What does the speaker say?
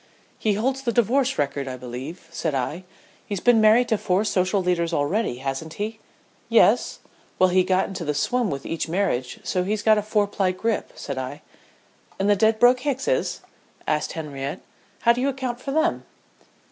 "He holds the divorce record I believe," said I. "He's been married to four social leaders already, hasn't he?" "Yes " "Well, he got into the swim with each marriage so he's got a four ply grip," said I. "And the Dedbroke Hickses?" asked Henriette. "How do you account for them?"